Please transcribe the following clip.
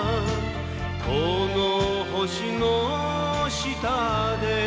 「この星の下で」